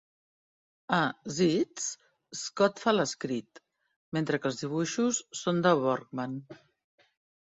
A "Zits", Scott fa l'escrit, mentre que els dibuixos són de Borgman.